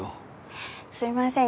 すいません